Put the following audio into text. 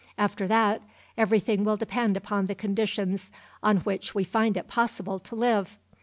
After that, everything will depend upon the conditions on which we find it possible to live.